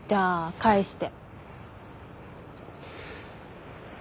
返して！